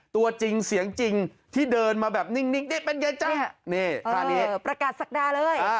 ตัวจริงเสียงจริงที่เดินมาแบบนิ่งเป็นไงจ้ะประกาศศักดาเลย